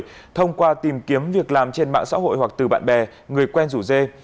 bộ công an đã thông qua tìm kiếm việc làm trên mạng xã hội hoặc từ bạn bè người quen rủ dê